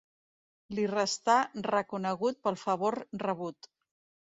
Li restà reconegut pel favor rebut.